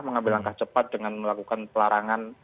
mengambil langkah cepat dengan melakukan pelarangan